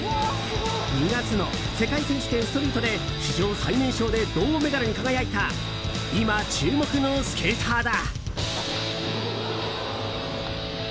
２月の世界選手権ストリートで史上最年少で銅メダルに輝いた今、注目のスケーターだ。